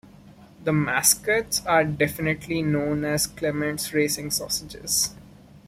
The mascots are officially known as Klement's Racing Sausages.